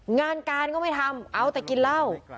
งานการก็ไม่ทำเอาแต่กินเหล้า